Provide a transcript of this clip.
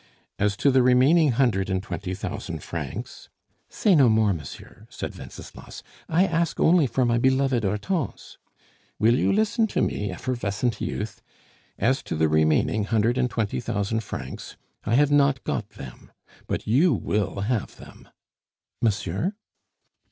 "As to the remaining hundred and twenty thousand francs " "Say no more, monsieur," said Wenceslas. "I ask only for my beloved Hortense " "Will you listen to me, effervescent youth! As to the remaining hundred and twenty thousand francs, I have not got them; but you will have them " "Monsieur?"